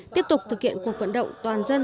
tiếp tục thực hiện cuộc vận động toàn dân